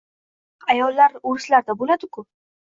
Monax ayollar o‘rislarda bo‘ladi-ku?